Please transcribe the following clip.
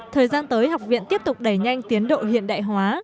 thời gian tới học viện tiếp tục đẩy nhanh tiến độ hiện đại hóa